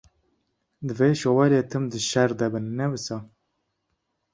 Divê Şovalye tim di şer de bin, ne wisa?